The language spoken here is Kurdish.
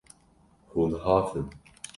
Hûn hatin.